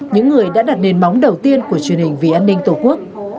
những người đã đặt nền móng đầu tiên của truyền hình vì an ninh tổ quốc